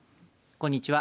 こんにちは。